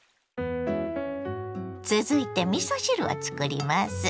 ⁉続いてみそ汁をつくります。